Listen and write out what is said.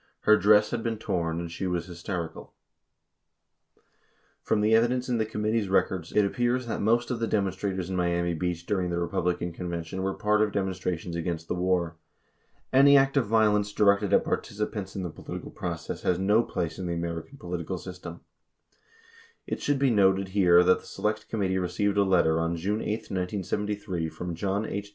Her dress had been torn and she was hysterical 25 F rom the evidence in the committee's records, it appears that most of the demonstrators in Miami Beach during the Republican Conven tion were part of demonstrations against the war. 26 Any act of vio lence directed at participants in the political process has no place in the American political system. It should be noted here that the Select Committee received a letter on June 8, 1973, from John H.